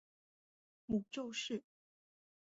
母邹氏。